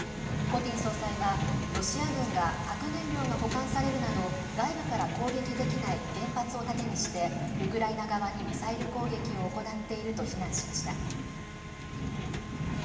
コティン総裁はロシア軍が核燃料が保管されるなど外部から攻撃できない原発を盾にしてウクライナ側にミサイル攻撃を行っていると非難しました。